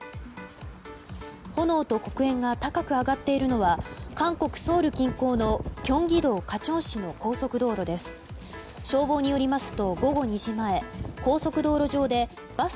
炎と黒煙が高く上がっているのは韓国ソウル近郊のキョンギ道カチョン市の高速道路です。